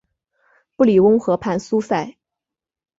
布里翁河畔苏塞。